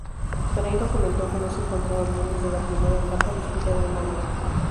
Pereiro comentó que no se encontraba bien desde la primera etapa, disputada en Mónaco.